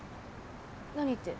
何って。